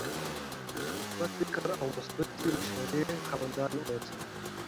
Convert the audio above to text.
د مثبت فکر او مثبتې مشورې څښتنان اوسئ